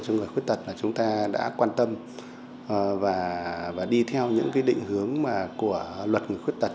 cho người khuyết tật là chúng ta đã quan tâm và đi theo những định hướng của luật người khuyết tật